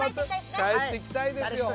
帰ってきたいですね。